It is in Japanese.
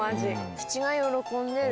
口が喜んでる。